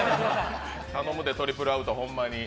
頼むで、トリプルアウト、ほんまに。